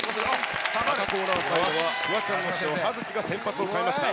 赤コーナーサイドは、フワちゃんから葉月に先発を変えました。